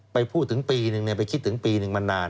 ไปพูดถึงปีนึงไปคิดถึงปีหนึ่งมานาน